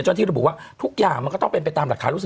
จนที่เราบอกว่าทุกอย่างมันก็ต้องเป็นไปตามราคารุศิ